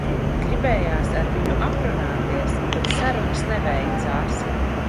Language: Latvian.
Gribējās ar viņu aprunāties, bet sarunas neveicās.